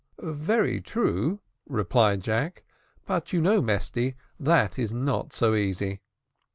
"Very true," replied Jack; "but you know, Mesty, that is not so easy."